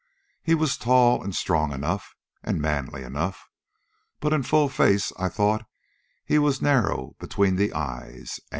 He was tall and strong enough and manly enough. But in full face I thought he was narrow between the eyes.